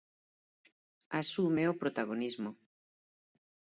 Asume o protagonismo.